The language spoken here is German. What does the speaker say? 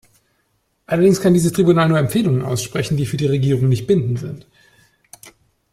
Allerdings kann dieses Tribunal nur Empfehlungen aussprechen, die für die Regierung nicht bindend sind.